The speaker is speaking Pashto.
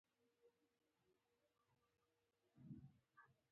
د کوهاټ د ځنګل خېلو و.